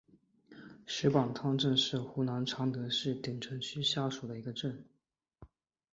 石板滩镇是湖南常德市鼎城区下属的一个镇。